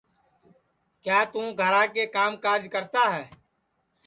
کیا توں گھرا کے کام کاج کرتا ہے